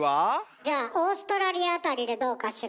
じゃあオーストラリア辺りでどうかしら？